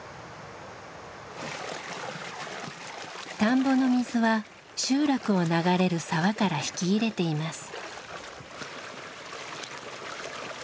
田んぼの水は集落を流れる沢から引き入れています。